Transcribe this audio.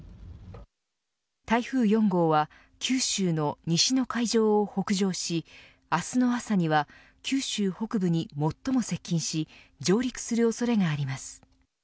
台風４号は九州の西の海上を北上し明日の朝には九州北部に最も接近し上陸するおそれがあります。